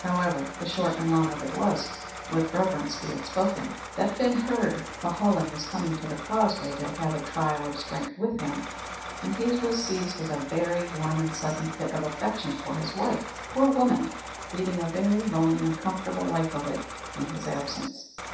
However, the short and long of it was, with reverence be it spoken, that Fin heard Cuhullin was coming to the Causeway to have a trial of strength with him; and he was seized with a very warm and sudden fit of affection for his wife, poor woman, leading a very lonely, uncomfortable life of it in his absence.